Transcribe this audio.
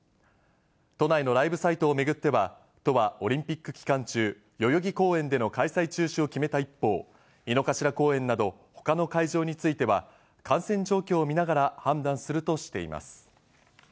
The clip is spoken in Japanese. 都内のライブサイトを巡っては、都はオリンピック期間中、代々木公園での開催中止を決めた一方、井の頭公園など、ほかの会場については感染状況を見ながら判断するとしています。